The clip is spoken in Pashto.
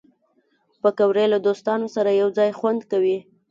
پکورې له دوستانو سره یو ځای خوند کوي